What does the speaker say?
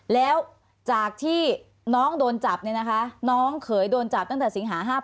แล้วจากที่น้องเขยโดนจับนะฮะน้องเขยโดนจับตั้งแต่เศสหา๕๘